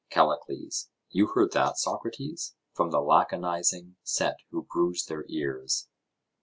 CALLICLES: You heard that, Socrates, from the laconising set who bruise their ears.